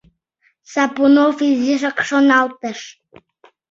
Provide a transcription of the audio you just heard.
Сапунов изишак шоналтыш.